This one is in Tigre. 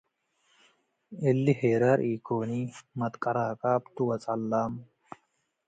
እሊ ሄራር ኢኮኒ..መትቀራቃብ ቱ ወጸላም